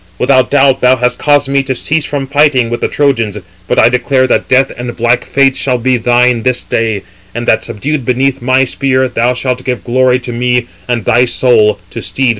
Without doubt thou hast caused me to cease from fighting with the Trojans, but I declare that death and black fate shall be thine this day; and that, subdued beneath my spear, thou shalt give glory to me, and thy soul to steed famed Pluto."